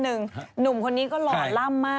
แต่ว่านิสัยดี